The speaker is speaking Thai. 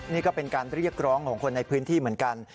นี่ก็เป็นการเรียกร้องของคนในพื้นที่เหมือนกัน